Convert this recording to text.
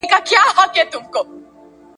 همدغه لاره ده آسانه پر ما ښه لګیږي !.